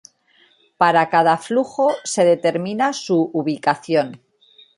Para cada flujo se determina su ubicación.